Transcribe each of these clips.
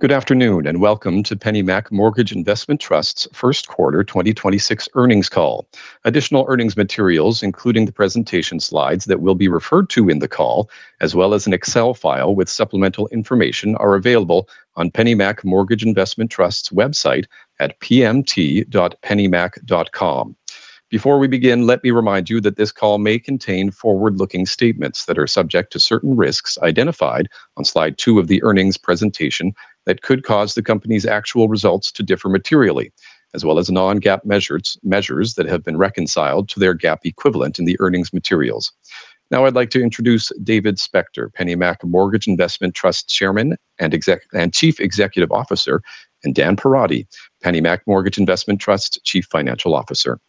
Good afternoon, and welcome to PennyMac Mortgage Investment Trust's first quarter 2026 earnings call. Additional earnings materials, including the presentation slides that will be referred to in the call, as well as an Excel file with supplemental information, are available on PennyMac Mortgage Investment Trust's website at pmt.pennymac.com. Before we begin, let me remind you that this call may contain forward-looking statements that are subject to certain risks identified on slide two of the earnings presentation that could cause the company's actual results to differ materially, as well as non-GAAP measures that have been reconciled to their GAAP equivalent in the earnings materials. Now, I'd like to introduce David Spector, PennyMac Mortgage Investment Trust Chairman and Chief Executive Officer, and Dan Perotti, PennyMac Mortgage Investment Trust Chief Financial Officer.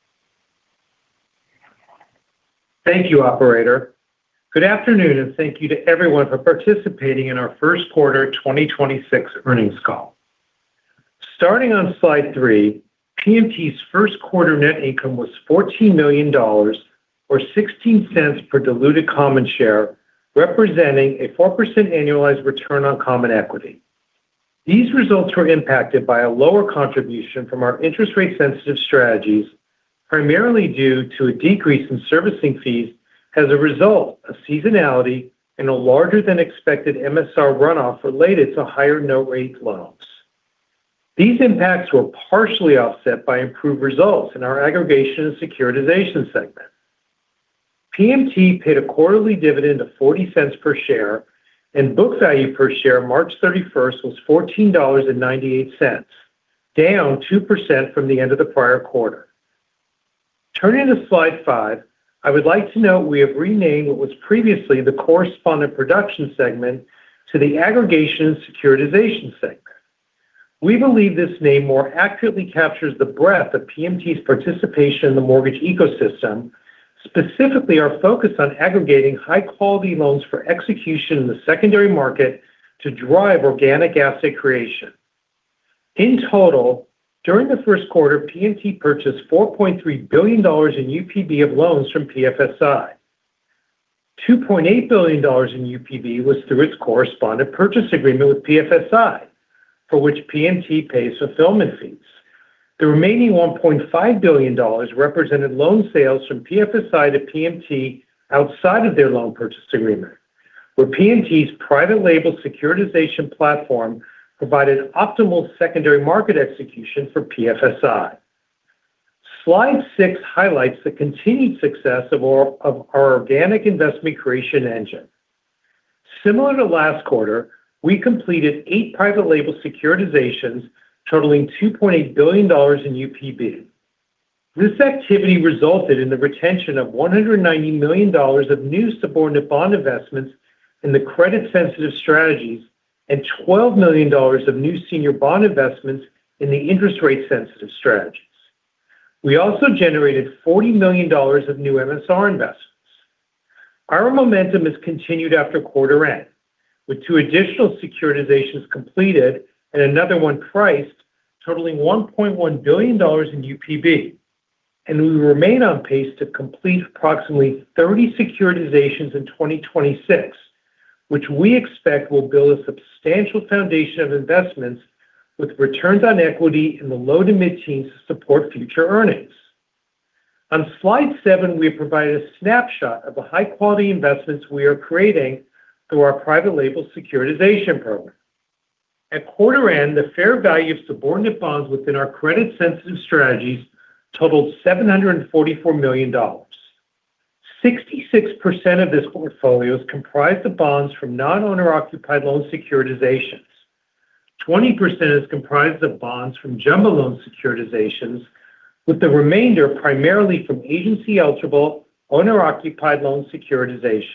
Thank you, operator. Good afternoon and thank you to everyone for participating in our first quarter 2026 earnings call. Starting on slide three, PMT's first quarter net income was $14 million, or $0.16 per diluted common share, representing a 4% annualized return on common equity. These results were impacted by a lower contribution from our interest-rate-sensitive strategies, primarily due to a decrease in servicing fees as a result of seasonality and a larger than expected MSR runoff related to higher note rate loans. These impacts were partially offset by improved results in our aggregation and securitization segment. PMT paid a quarterly dividend of $0.40 per share and book value per share March 31st was $14.98, down 2% from the end of the prior quarter. Turning to slide five, I would like to note we have renamed what was previously the Correspondent Production segment to the aggregation and securitization segment. We believe this name more accurately captures the breadth of PMT's participation in the mortgage ecosystem, specifically our focus on aggregating high-quality loans for execution in the secondary market to drive organic asset creation. In total, during the first quarter, PMT purchased $4.3 billion in UPB of loans from PFSI. $2.8 billion in UPB was through its correspondent purchase agreement with PFSI, for which PMT pays fulfillment fees. The remaining $1.5 billion represented loan sales from PFSI to PMT outside of their loan purchase agreement, where PMT's private label securitization platform provided optimal secondary market execution for PFSI. Slide six highlights the continued success of our organic investment creation engine. Similar to last quarter, we completed eight private label securitizations totaling $2.8 billion in UPB. This activity resulted in the retention of $190 million of new subordinate bond investments in the credit-sensitive strategies and $12 million of new senior bond investments in the interest-rate-sensitive strategies. We also generated $40 million of new MSR investments. Our momentum has continued after quarter end, with two additional securitizations completed and another one priced totaling $1.1 billion in UPB. We remain on pace to complete approximately 30 securitizations in 2026, which we expect will build a substantial foundation of investments with returns on equity in the low to mid-teens to support future earnings. On slide seven, we have provided a snapshot of the high-quality investments we are creating through our private label securitization program. At quarter end, the fair value of subordinate bonds within our credit-sensitive strategies totaled $744 million. 66% of this portfolio is comprised of bonds from non-owner-occupied loan securitizations. 20% is comprised of bonds from jumbo loan securitizations, with the remainder primarily from agency-eligible owner-occupied loan securitizations.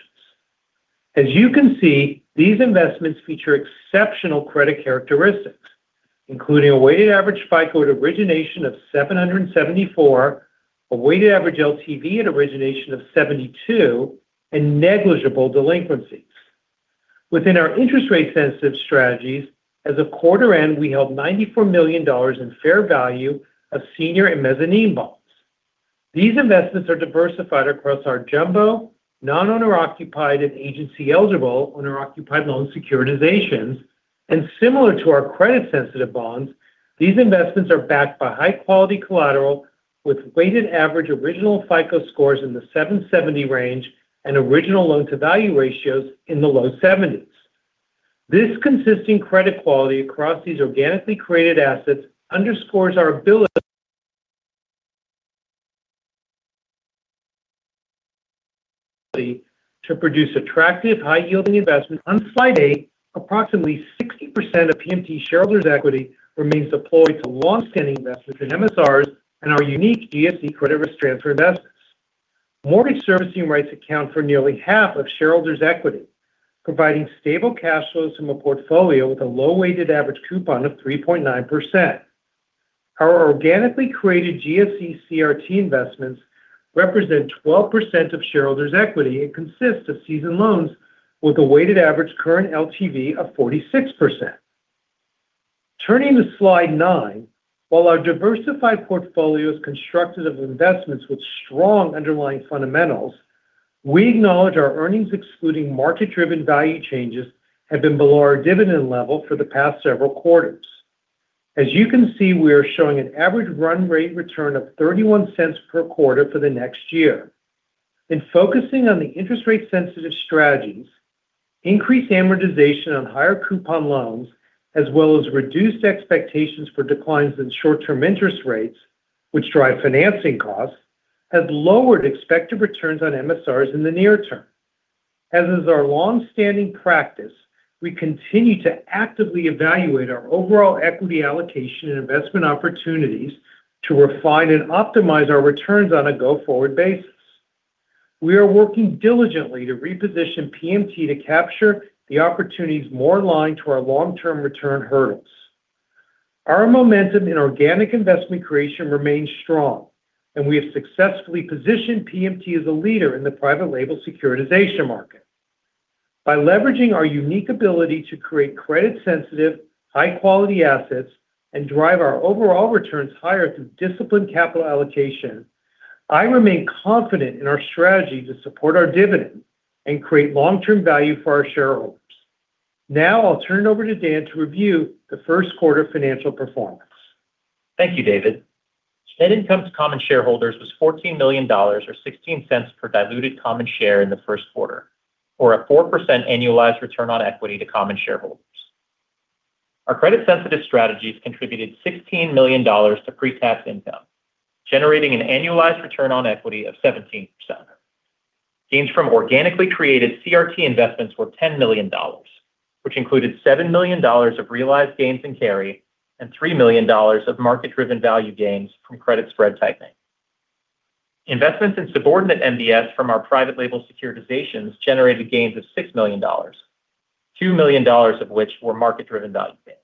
As you can see, these investments feature exceptional credit characteristics, including a weighted average FICO at origination of 774, a weighted average LTV at origination of 72, and negligible delinquencies. Within our interest-rate-sensitive strategies, as of quarter end, we held $94 million in fair value of senior and mezzanine bonds. These investments are diversified across our jumbo, non-owner occupied, and agency-eligible owner-occupied loan securitizations. Similar to our credit-sensitive bonds, these investments are backed by high-quality collateral with weighted average original FICO scores in the 770 range and original loan-to-value ratios in the low 70s. This consistent credit quality across these organically created assets underscores our ability to produce attractive high-yielding investments. On slide eight, approximately 60% of PMT shareholders equity remains deployed to longstanding investments in MSRs and our unique GSE credit risk transfer investments. Mortgage servicing rights account for nearly half of shareholders equity, providing stable cash flows from a portfolio with a low weighted-average coupon of 3.9%. Our organically created GSE CRT investments represent 12% of shareholders equity and consist of seasoned loans with a weighted average current LTV of 46%. Turning to slide nine, while our diversified portfolio is constructed of investments with strong underlying fundamentals, we acknowledge our earnings, excluding market-driven value changes, have been below our dividend level for the past several quarters. As you can see, we are showing an average run rate return of $0.31 per quarter for the next year. In focusing on the interest-rate-sensitive strategies, increased amortization on higher coupon loans as well as reduced expectations for declines in short-term interest rates, which drive financing costs, have lowered expected returns on MSRs in the near term. As is our long-standing practice, we continue to actively evaluate our overall equity allocation and investment opportunities to refine and optimize our returns on a go-forward basis. We are working diligently to reposition PMT to capture the opportunities more aligned to our long-term return hurdles. Our momentum in organic investment creation remains strong, and we have successfully positioned PMT as a leader in the private label securitization market. By leveraging our unique ability to create credit-sensitive, high-quality assets and drive our overall returns higher through disciplined capital allocation, I remain confident in our strategy to support our dividend and create long-term value for our shareholders. Now, I'll turn it over to Dan to review the first quarter financial performance. Thank you, David. Net income to common shareholders was $14 million or $0.16 per diluted common share in the first quarter, or a 4% annualized return on equity to common shareholders. Our credit-sensitive strategies contributed $16 million to pre-tax income, generating an annualized return on equity of 17%. Gains from organically created CRT investments were $10 million, which included $7 million of realized gains in carry and $3 million of market-driven value gains from credit spread tightening. Investments in subordinate MBS from our private label securitizations generated gains of $6 million, $2 million of which were market-driven value gains.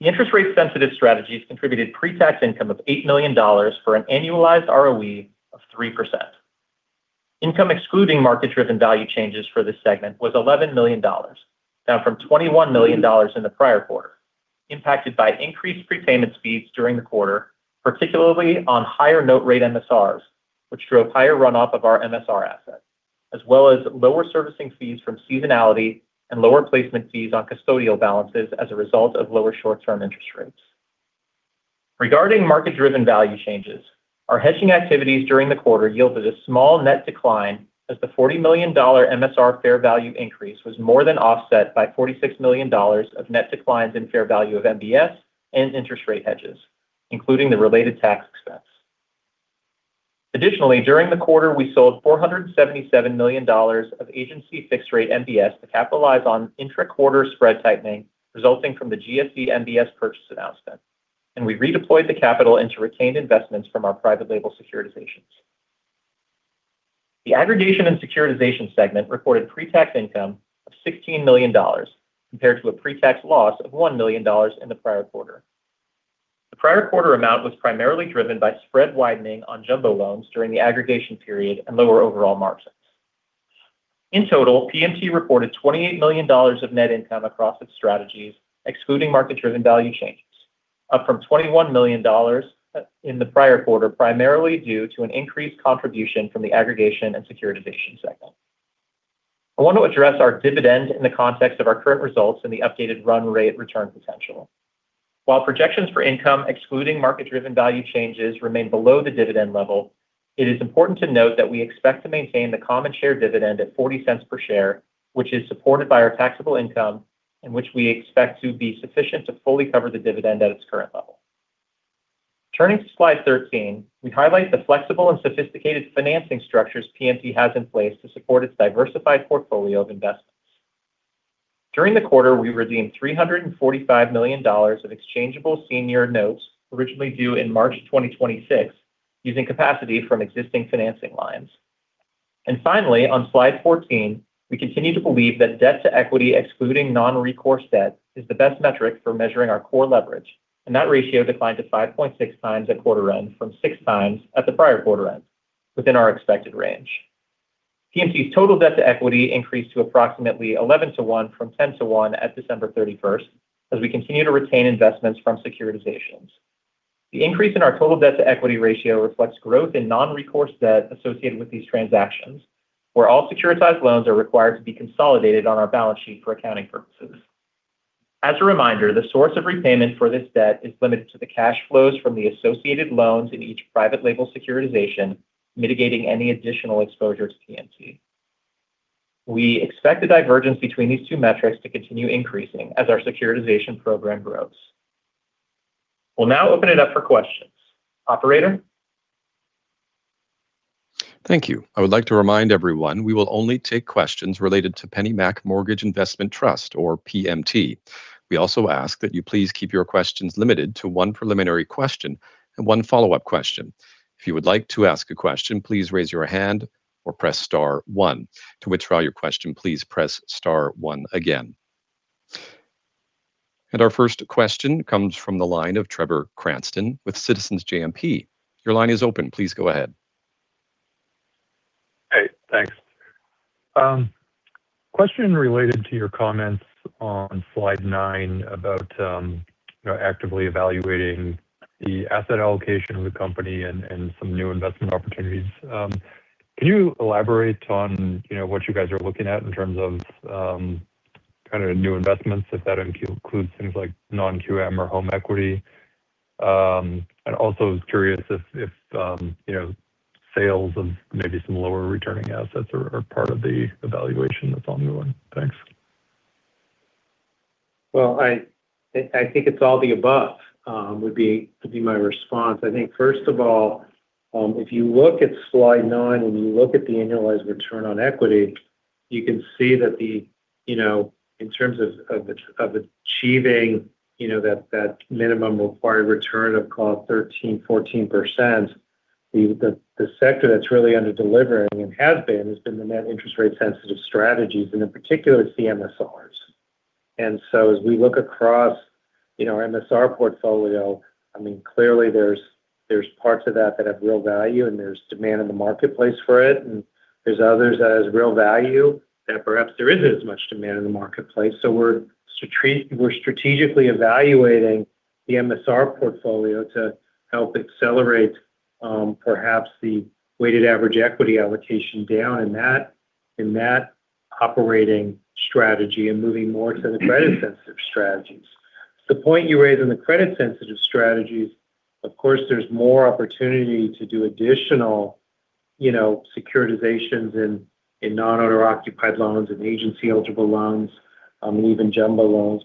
The interest-rate-sensitive strategies contributed pre-tax income of $8 million for an annualized ROE of 3%. Income excluding market-driven value changes for this segment was $11 million, down from $21 million in the prior quarter, impacted by increased prepayment speeds during the quarter, particularly on higher note rate MSRs, which drove higher runoff of our MSR assets, as well as lower servicing fees from seasonality and lower placement fees on custodial balances as a result of lower short-term interest rates. Regarding market-driven value changes, our hedging activities during the quarter yielded a small net decline as the $40 million MSR fair value increase was more than offset by $46 million of net declines in fair value of MBS and interest rate hedges, including the related tax expense. Additionally, during the quarter, we sold $477 million of agency fixed-rate MBS to capitalize on intra-quarter spread tightening resulting from the GSE MBS purchase announcement, and we redeployed the capital into retained investments from our private label securitizations. The aggregation and securitization segment reported pre-tax income of $16 million compared to a pre-tax loss of $1 million in the prior quarter. The prior quarter amount was primarily driven by spread widening on jumbo loans during the aggregation period and lower overall margins. In total, PMT reported $28 million of net income across its strategies, excluding market-driven value changes, up from $21 million in the prior quarter, primarily due to an increased contribution from the aggregation and securitization segment. I want to address our dividend in the context of our current results and the updated run rate return potential. While projections for income excluding market-driven value changes remain below the dividend level, it is important to note that we expect to maintain the common share dividend at $0.40 per share, which is supported by our taxable income and which we expect to be sufficient to fully cover the dividend at its current level. Turning to slide 13, we highlight the flexible and sophisticated financing structures PMT has in place to support its diversified portfolio of investments. During the quarter, we redeemed $345 million of exchangeable senior notes originally due in March 2026 using capacity from existing financing lines. Finally, on slide 14, we continue to believe that debt-to-equity excluding non-recourse debt is the best metric for measuring our core leverage. That ratio declined to 5.6x at quarter end from 6x at the prior quarter end within our expected range. PMT's total debt-to-equity increased to approximately 11 to 1 from 10 to 1 at December 31st as we continue to retain investments from securitizations. The increase in our total debt-to-equity ratio reflects growth in non-recourse debt associated with these transactions, where all securitized loans are required to be consolidated on our balance sheet for accounting purposes. As a reminder, the source of repayment for this debt is limited to the cash flows from the associated loans in each private label securitization, mitigating any additional exposure to PMT. We expect the divergence between these two metrics to continue increasing as our securitization program grows. We'll now open it up for questions. Operator? Thank you. I would like to remind everyone we will only take questions related to PennyMac Mortgage Investment Trust or PMT. We also ask that you please keep your questions limited to one preliminary question and one follow-up question. If you would like to ask a question, please raise your hand or press star one. To withdraw your question, please press star one again. Our first question comes from the line of Trevor Cranston with Citizens JMP. Your line is open. Please go ahead. Hey, thanks. Question related to your comments on slide nine about, you know, actively evaluating the asset allocation of the company and some new investment opportunities. Can you elaborate on, you know, what you guys are looking at in terms of kind of new investments, if that includes things like non-QM or home equity? Also, was curious if, you know, sales of maybe some lower returning assets are part of the evaluation that's ongoing. Thanks. Well, I think it's all the above would be my response. I think first of all, if you look at slide nine, when you look at the annualized return on equity, you can see that, you know, in terms of achieving, you know, that minimum required return of call 13%, 14%, the sector that's really under-delivering and has been the net interest-rate-sensitive strategies, and in particular, the MSRs. As we look across, you know, our MSR portfolio, I mean, clearly there's parts of that that have real value, and there's demand in the marketplace for it. There's others that has real value that perhaps there isn't as much demand in the marketplace. We're strategically evaluating the MSR portfolio to help accelerate, perhaps the weighted average equity allocation down in that, in that operating strategy and moving more to the credit-sensitive strategies. The point you raise in the credit-sensitive strategies, of course, there's more opportunity to do additional, you know, securitizations in non-owner-occupied loans and agency-eligible loans, and even jumbo loans.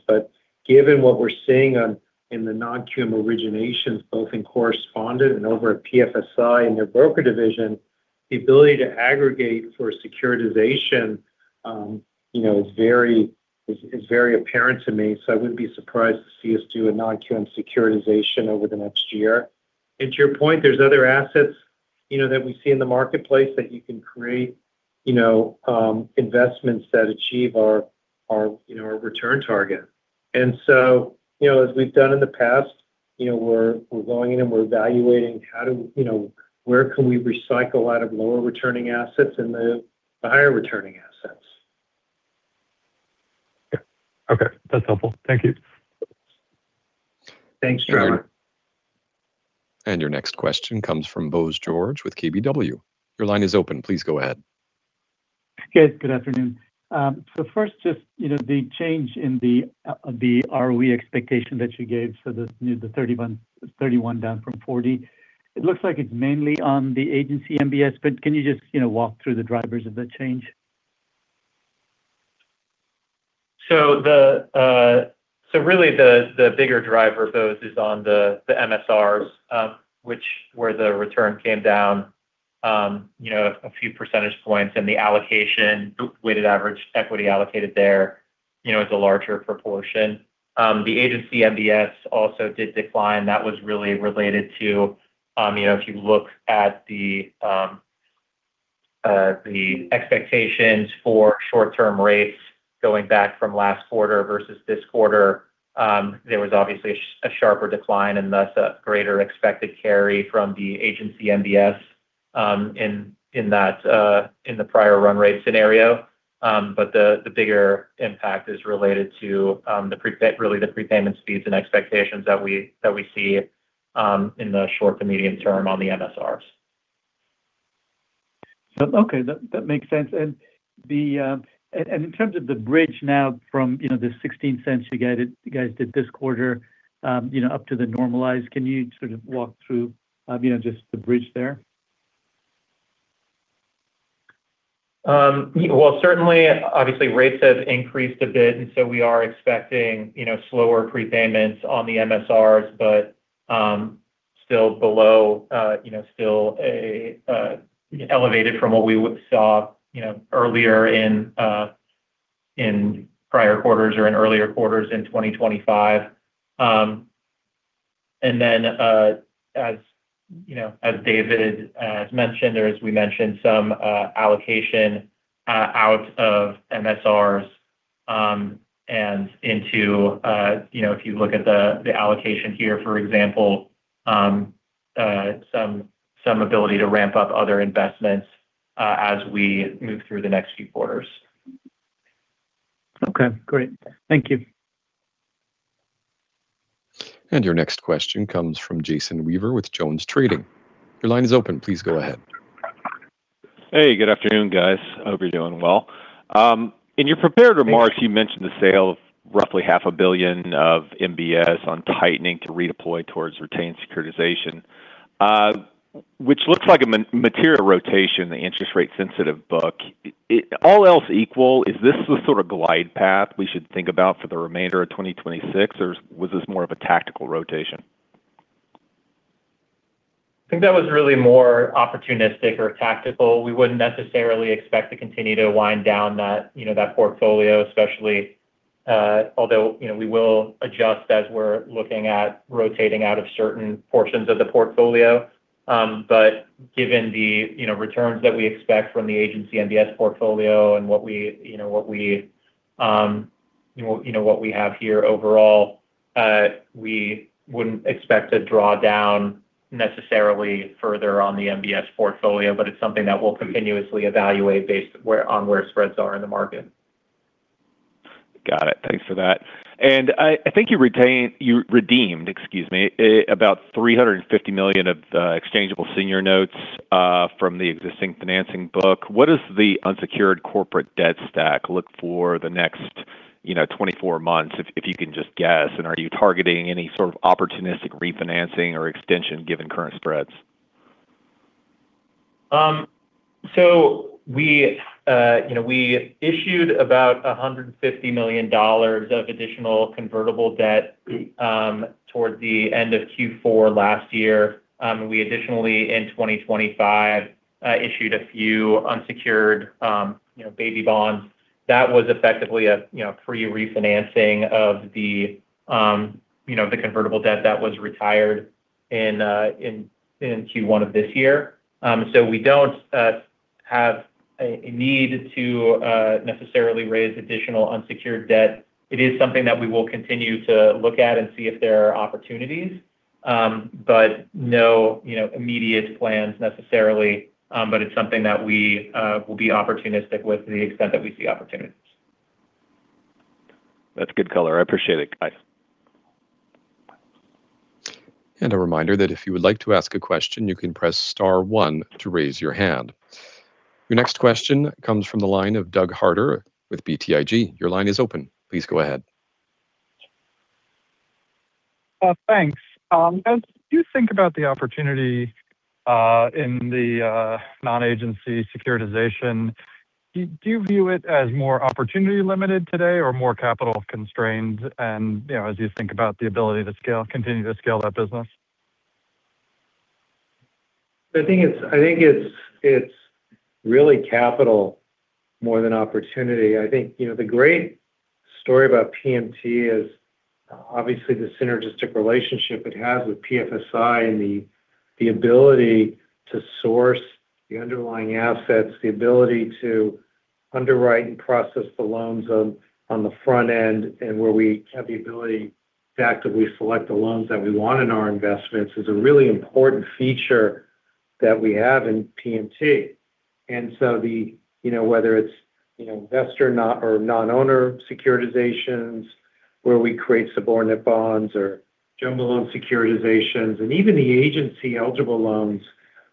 Given what we're seeing on, in the non-QM originations, both in correspondent and over at PFSI in their broker division, the ability to aggregate for securitization, you know, is very apparent to me. I wouldn't be surprised to see us do a non-QM securitization over the next year. To your point, there's other assets, you know, that we see in the marketplace that you can create, you know, investments that achieve our, our return target. So, you know, as we've done in the past, you know, we're going in and we're evaluating you know, where can we recycle out of lower returning assets and move to higher returning assets. Yeah. Okay. That's helpful. Thank you. Thanks, Trevor. Your next question comes from Bose George with KBW. Your line is open, please go ahead. Guys, good afternoon. First, just, you know, the change in the ROE expectation that you gave for this new, the 31 down from 40, it looks like it's mainly on the agency MBS, but can you just, you know, walk through the drivers of the change? The, so really the bigger driver, Bose, is on the MSRs, which where the return came down, you know, a few percentage points and the allocation, weighted average equity allocated there, you know, is a larger proportion. The agency MBS also did decline. That was really related to, you know, if you look at the expectations for short-term rates going back from last quarter versus this quarter, there was obviously a sharper decline and thus a greater expected carry from the agency MBS, in that, in the prior run rate scenario. But the bigger impact is related to, really, the prepayment speeds and expectations that we, that we see, in the short to medium term on the MSRs. Okay. That makes sense. In terms of the bridge now from, you know, the $0.16 you guided this quarter, you know, up to the normalized, can you sort of walk through, you know, just the bridge there? Well, certainly, obviously rates have increased a bit, and so we are expecting, you know, slower prepayments on the MSRs, but still below, you know, still elevated from what we saw, you know, earlier in prior quarters or in earlier quarters in 2025. As, you know, as David has mentioned or as we mentioned, some allocation out of MSRs, and into, you know, if you look at the allocation here, for example, some ability to ramp up other investments as we move through the next few quarters. Okay, great. Thank you. Your next question comes from Jason Weaver with JonesTrading. Your line is open. Please go ahead. Hey, good afternoon, guys. Hope you're doing well. In your prepared remarks, you mentioned the sale of roughly $500 million of MBS on tightening to redeploy towards retained securitization, which looks like a material rotation, the interest-rate-sensitive book. All else equal, is this the sort of glide path we should think about for the remainder of 2026, or was this more of a tactical rotation? I think that was really more opportunistic or tactical. We wouldn't necessarily expect to continue to wind down that, you know, that portfolio especially, although, you know, we will adjust as we're looking at rotating out of certain portions of the portfolio. Given the, you know, returns that we expect from the agency MBS portfolio and what we, you know, what we, you know, what we have here overall, we wouldn't expect to draw down necessarily further on the MBS portfolio, but it's something that we'll continuously evaluate it where spreads are in the market. Got it. Thanks for that. I think you retained, redeemed, excuse me, about $350 million of the exchangeable senior notes from the existing financing book. What does the unsecured corporate debt stack look for the next, you know, 24 months, if you can just guess? Are you targeting any sort of opportunistic refinancing or extension given current spreads? We, you know, we issued about $150 million of additional convertible debt towards the end of Q4 last year. We additionally, in 2025, issued a few unsecured, you know, baby bonds. That was effectively a, you know, pre-refinancing of the, you know, the convertible debt that was retired in Q1 of this year. We don't have a need to necessarily raise additional unsecured debt. It is something that we will continue to look at and see if there are opportunities. But no, you know, immediate plans necessarily. It's something that we will be opportunistic with the extent that we see opportunities. That's good color. I appreciate it, guys. And a reminder that if you would like to ask a question, you can press star one to raise your hand. Your next question comes from the line of Doug Harter with BTIG. Your line is open. Please go ahead. Thanks. As you think about the opportunity in the non-agency securitization, do you view it as more opportunity-limited today or more capital-constrained and, you know, as you think about the ability to scale, continue to scale that business? I think, it's really capital more than opportunity. I think, you know, the great story about PMT is obviously the synergistic relationship it has with PFSI and the ability to source the underlying assets, the ability to underwrite and process the loans on the front end and where we have the ability, the fact that we select the loans that we want in our investments is a really important feature that we have in PMT. So, you know, whether it's, you know, investor, not or non-owner securitizations where we create subordinate bonds or jumbo loan securitizations and even the agency-eligible loans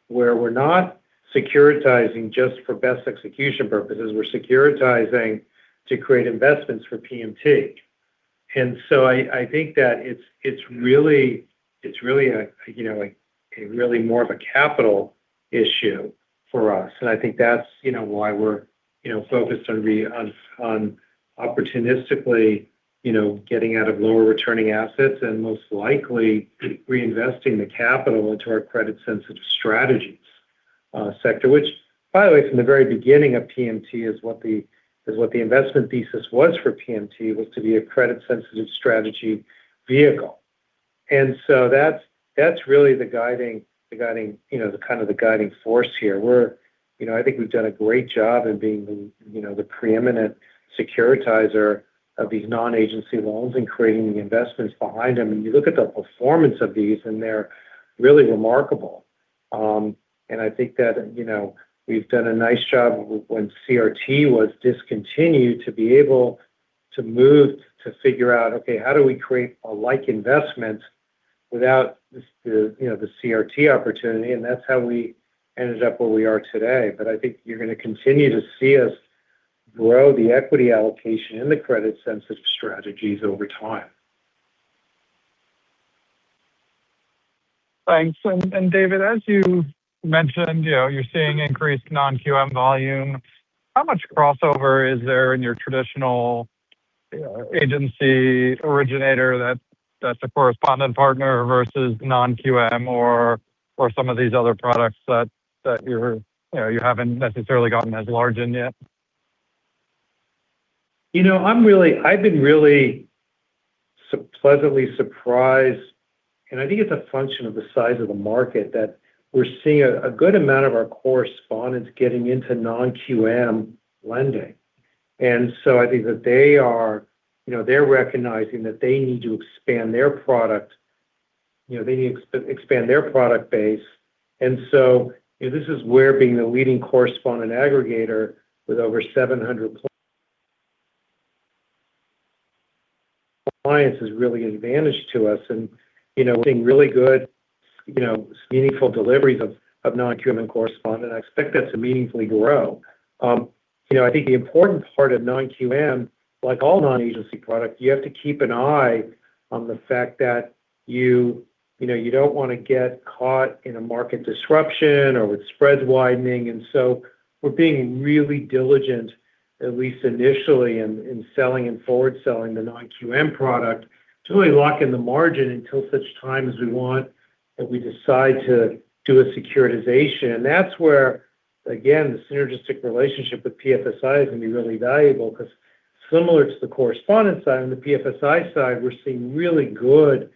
where we're not securitizing just for best execution purposes, we're securitizing to create investments for PMT. I think that it's really a, you know, really more of a capital issue for us. I think that's, you know, why we're, you know, focused on opportunistically, you know, getting out of lower returning assets and most likely reinvesting the capital into our credit-sensitive strategies sector, which by the way, from the very beginning of PMT is what the investment thesis was for PMT, was to be a credit-sensitive strategy vehicle. That's, that's really the guiding, you know, the kind of the guiding force here. You know, I think we've done a great job in being the, you know, the preeminent securitizer of these non-agency loans and creating the investments behind them. You look at the performance of these, and they're really remarkable. I think that, you know, we've done a nice job when CRT was discontinued to be able to move to figure out, okay, how do we create a like investment without the, you know, the CRT opportunity? That's how we ended up where we are today. I think you're gonna continue to see us grow the equity allocation in the credit-sensitive strategies over time. Thanks. David, as you mentioned, you know, you're seeing increased non-QM volumes. How much crossover is there in your traditional agency originator that's a correspondent partner versus non-QM or some of these other products that you're, you know, you haven't necessarily gotten as large in yet? You know, I've been really pleasantly surprised, and I think it's a function of the size of the market that we're seeing a good amount of our correspondents getting into non-QM lending. I think that they are, you know, they're recognizing that they need to expand their product, you know, they need to expand their product base. You know, this is where being the leading correspondent aggregator with over 700 clients is really an advantage to us. You know, getting really good, you know, meaningful deliveries of non-QM correspondent, I expect that to meaningfully grow. You know, I think the important part of non-QM, like all non-agency product, you have to keep an eye on the fact that you know, you don't wanna get caught in a market disruption or with spreads widening. So, we're being really diligent, at least initially in selling and forward selling the non-QM product to really lock in the margin until such time as we want, that we decide to do a securitization. That's where, again, the synergistic relationship with PFSI is gonna be really valuable because similar to the correspondent side, on the PFSI side, we're seeing really good,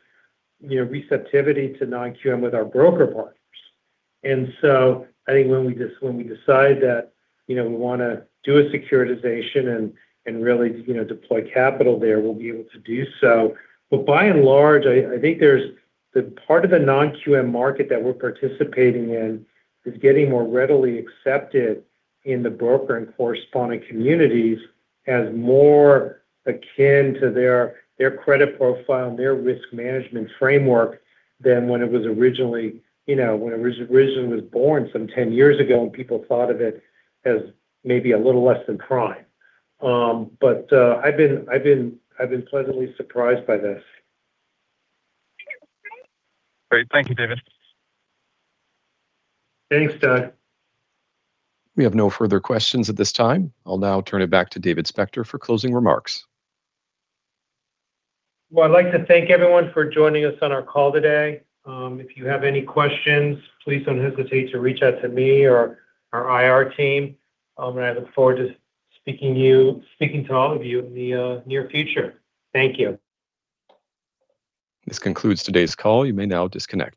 you know, receptivity to non-QM with our broker partners. So, I think when we decide that, you know, we wanna do a securitization and really, you know, deploy capital there, we'll be able to do so. By and large, I think there's the part of the non-QM market that we're participating in is getting more readily accepted in the broker and correspondent communities as more akin to their credit profile and their risk management framework than when it was originally, you know, when it was originally was born some 10 years ago and people thought of it as maybe a little less than prime. I've been pleasantly surprised by this. Great. Thank you, David. Thanks, Doug. We have no further questions at this time. I'll now turn it back to David Spector for closing remarks. Well, I'd like to thank everyone for joining us on our call today. If you have any questions, please don't hesitate to reach out to me or our IR team. I look forward to speaking to all of you in the near future. Thank you. This concludes today's call. You may now disconnect.